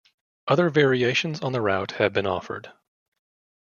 Other variations on the route have been offered.